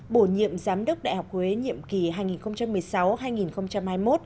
bổ nhiệm giám đốc đại học huế nhiệm kỳ hai nghìn một mươi sáu hai nghìn hai mươi một